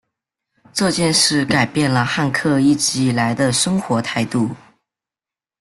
这件事改变了汉克一直以来的生活态度。